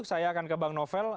saya akan ke bang novel